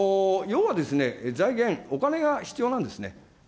要はですね、財源、お金が必要なんですね。